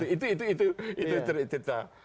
itu itu itu